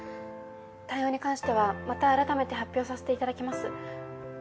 対応に関してはまた改めて発表させていただきます。